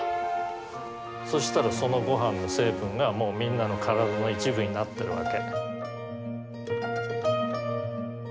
そしたらそのごはんの成分がもうみんなの体の一部になってるわけ。